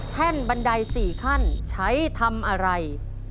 แท่นบันได๔ขั้นใช้ทำอะไร